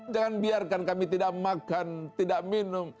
jangan biarkan kami tidak makan tidak minum